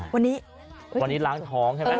วันนนี้ล้างท้องใช่มั้ย